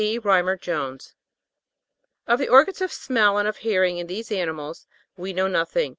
Rymer Jones. 31. Of the organs of smell and of hearing in these animals we know nothing.